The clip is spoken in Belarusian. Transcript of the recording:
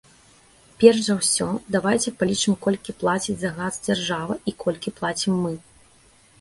Перш за ўсё, давайце палічым, колькі плаціць за газ дзяржава, і колькі плацім мы.